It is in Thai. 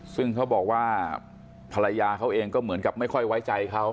ซึ่งเขาบอกว่าภรรยาเขาเองก็เหมือนกับไม่ค่อยไว้ใจเขา